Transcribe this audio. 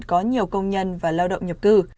có nhiều công nhân và lao động nhập cư